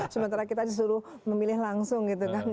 sementara kita disuruh memilih langsung gitu kan